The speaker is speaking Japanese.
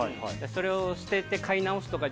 それを捨てて買い直すとかじゃなくて